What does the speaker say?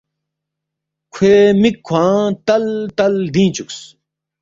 کھوے مِک کھوانگ تَل تَل لدِنگ چُوکس